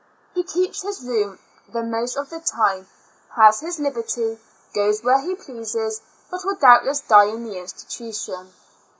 He keeps his room the most of the time; has his liberty; goes where he pleases, but will doubtless die in the institution.